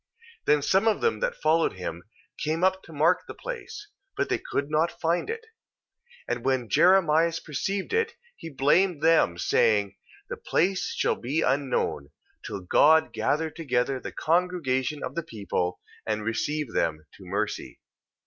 2:6 .Then some of them that followed him, came up to mark the place: but they could not find it. 2:7. And when Jeremias perceived it, he blamed them, saying: The place shall be unknown, till God gather together the congregation of the people, and receive them to mercy.